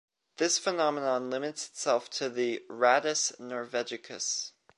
This phenomenon limits itself to the “Rattus norvegicus”.